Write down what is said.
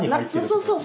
そうそう。